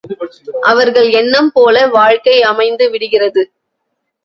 அவர்கள் எண்ணம்போல வாழ்க்கை அமைந்து விடுகிறது.